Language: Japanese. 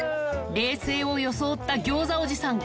冷静を装ったギョーザおじさん。